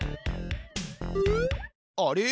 あれ？